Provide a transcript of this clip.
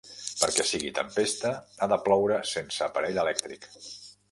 Perquè sigui tempesta, ha de ploure sense aparell elèctric.